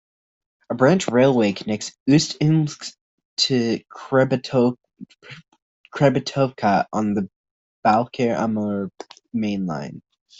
A branch railway connects Ust-Ilimsk to Khrebetovka on the Baikal-Amur Mainline.